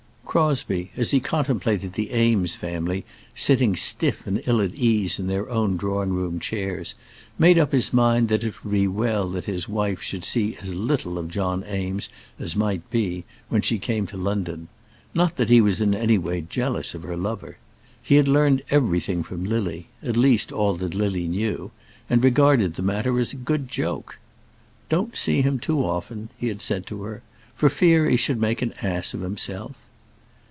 Crosbie, as he contemplated the Eames family sitting stiff and ill at ease in their own drawing room chairs, made up his mind that it would be well that his wife should see as little of John Eames as might be when she came to London; not that he was in any way jealous of her lover. He had learned everything from Lily, all, at least, that Lily knew, and regarded the matter rather as a good joke. "Don't see him too often," he had said to her, "for fear he should make an ass of himself."